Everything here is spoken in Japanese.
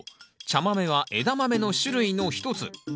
茶豆はエダマメの種類の一つ。